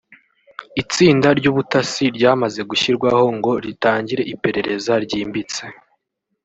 itsinda ry’ubutasi ryamaze gushyirwaho ngo ritangire iperereza ryimbitse